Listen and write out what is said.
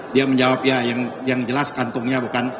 dia menjawab ya yang jelas kantungnya bukan